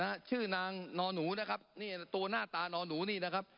นะฮะชื่อนางนอนหนูนะครับนี่ตัวหน้าตานอหนูนี่นะครับ